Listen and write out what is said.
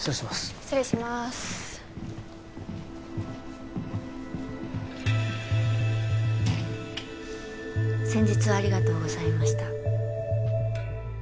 失礼しまーす先日はありがとうございました